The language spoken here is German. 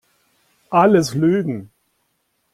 Alles Lügen!